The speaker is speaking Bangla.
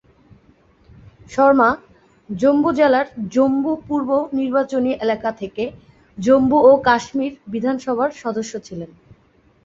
শর্মা জম্মু জেলার জম্মু পূর্ব নির্বাচনী এলাকা থেকে জম্মু ও কাশ্মীর বিধানসভার সদস্য ছিলেন।